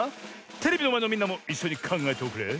テレビのまえのみんなもいっしょにかんがえておくれ。